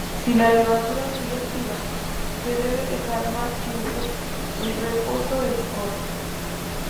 Si la levadura sigue activa, se debe dejar más tiempo el reposo del licor.